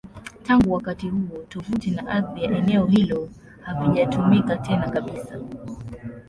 Tangu wakati huo, tovuti na ardhi ya eneo hilo havijatumika tena kabisa.